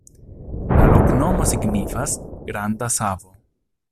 La loknomo signifas: granda savo.